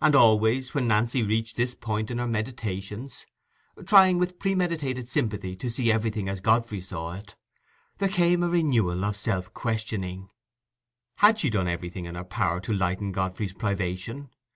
And always, when Nancy reached this point in her meditations—trying, with predetermined sympathy, to see everything as Godfrey saw it—there came a renewal of self questioning. Had she done everything in her power to lighten Godfrey's privation?